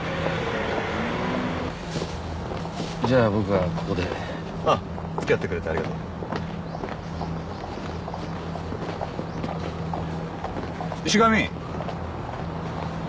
じゃあ僕はここでああ付き合ってくれてありがとう石神！